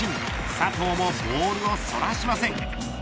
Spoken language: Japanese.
佐藤もボールをそらしません。